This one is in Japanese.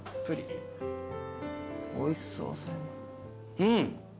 うん。